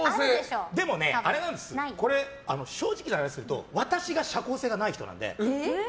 でもね、正直な話すると私が社交性がない人なので。